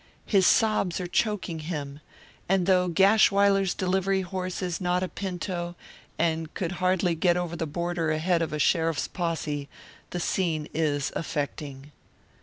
His sobs are choking him. And though Gashwiler's delivery horse is not a pinto, and could hardly get over the border ahead of a sheriff's posse, the scene is affecting.